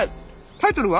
タイトルは？